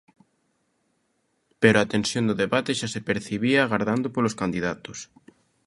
Pero a tensión do debate xa se percibía agardando polos candidatos.